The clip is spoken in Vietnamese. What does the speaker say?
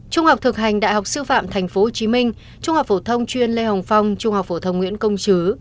trung học thực hành đại học sư phạm tp hcm trung học phổ thông chuyên lê hồng phong trung học phổ thông nguyễn công chứ